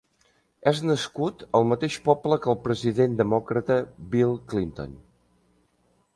És nascut al mateix poble que el president demòcrata Bill Clinton.